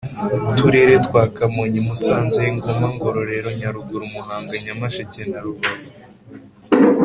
Turere twa Kamonyi Musanze Ngoma Ngororero Nyaruguru Muhanga Nyamasheke na Rubavu